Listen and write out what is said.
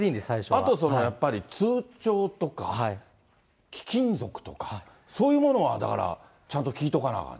あとやっぱり通帳とか、貴金属とか、そういうものはだから、ちゃんと聞いとかなあかん。